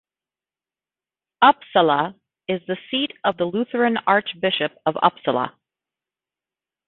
Uppsala is the seat of the Lutheran Archbishop of Uppsala.